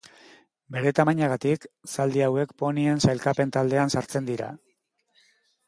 Bere tamainagatik zaldi hauek ponien sailkapen taldean sartzen dira.